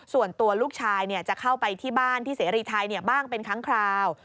ส่วนตัวลูกชายจะเข้าไปที่บ้านที่เสรีไทยบ้างเป็นครั้งคราว